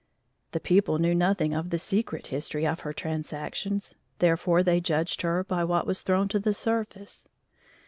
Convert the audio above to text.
The people knew nothing of the secret history of her transactions, therefore they judged her by what was thrown to the surface.